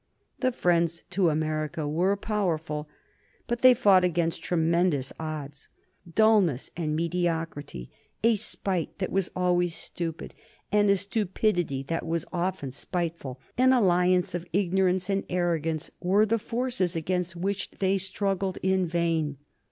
The friends to America were powerful, but they fought against tremendous odds. Dulness and mediocrity, a spite that was always stupid, and a stupidity that was often spiteful, an alliance of ignorance and arrogance were the forces against which they struggled in vain.